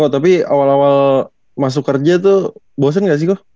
tapi awal awal masuk kerja tuh bosen gak sih gue